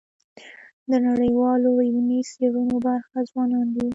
د نړیوالو علمي څېړنو برخه ځوانان دي.